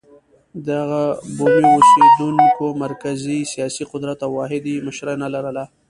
دغو بومي اوسېدونکو مرکزي سیاسي قدرت او واحده مشري نه لرله.